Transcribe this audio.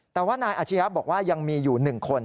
แต่ว่านายอาชียะบอกว่ายังมีอยู่๑คน